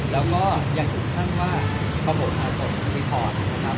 แล้วก็ยังคิดข้างมากข้อโหมดการบริทอร์สนะครับ